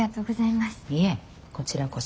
いえこちらこそ。